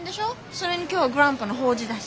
それに今日はグランパの法事だし。